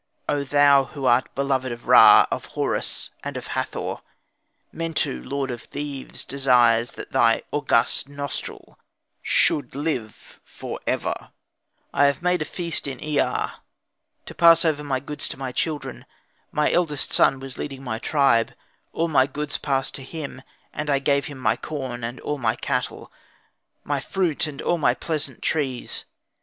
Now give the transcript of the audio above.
O thou who art beloved of Ra, of Horus, and of Hathor; Mentu, lord of Thebes, desires that thy august nostril should live for ever." I made a feast in Iaa, to pass over my goods to my children. My eldest son was leading my tribe, all my goods passed to him, and I gave him my corn and all my cattle, my fruit, and all my pleasant trees.